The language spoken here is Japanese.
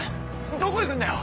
どこ行くんだよ！